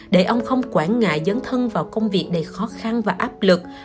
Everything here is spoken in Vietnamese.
để ông không quản ngại dấn thân vào công việc đầy khó khăn và áp lực